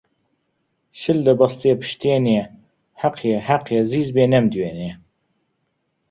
شل دەبەستێ پشتێنێ حەقیە حەقیە زیز بێ نەمدوێنێ